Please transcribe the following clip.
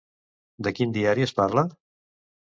De quin diari es parla?